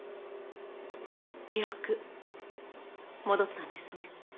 記憶戻ったんですね。